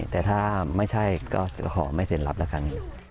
แต่ถ้าไม่ใช่ก็จะขอไม่เซ็นรับแล้วกัน